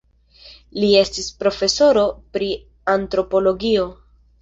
Li estis profesoro pri antropologio.